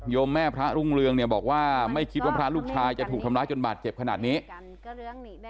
แม่พระรุ่งเรืองเนี่ยบอกว่าไม่คิดว่าพระลูกชายจะถูกทำร้ายจนบาดเจ็บขนาดนี้